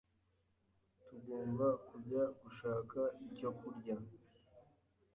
Tugomba kujya gushaka icyo kurya.